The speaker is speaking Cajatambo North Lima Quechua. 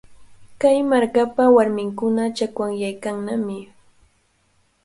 Kay markapa warminkuna chakwanyaykannami.